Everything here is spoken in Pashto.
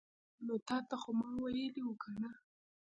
نو تاته خو ما ویلې وو کنه